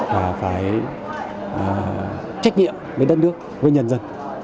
và phải trách nhiệm với đất nước với nhân dân